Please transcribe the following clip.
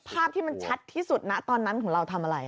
ภาพที่มันชัดที่สุดนะตอนนั้นของเราทำอะไร